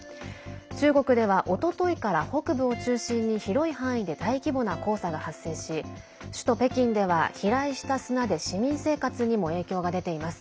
中国では、おとといから北部を中心に広い範囲で大規模な黄砂が発生し首都・北京では飛来した砂で市民生活にも影響が出ています。